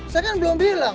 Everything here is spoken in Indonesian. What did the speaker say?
saya kan belum bilang